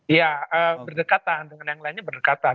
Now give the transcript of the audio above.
iya berdekatan dengan yang lainnya berdekatan